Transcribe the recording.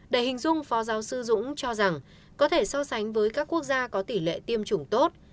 để hình dung phó giáo sư dũng cho rằng có thể so sánh với các quốc gia có tỷ lệ tiêm chủng tốt